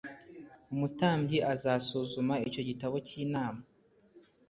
Umutambyi azasuzuma icyo gitambo cy’intama.